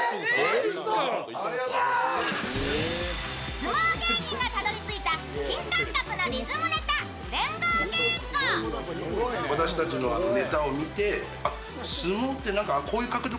相撲芸人がたどり着いた新感覚のリズムネタ優勝は誰の手に？